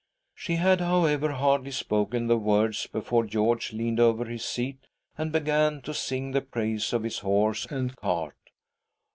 She had, however, hardly spoken the Words before George leaned over his seat and began to sing the praises of his horse and cart.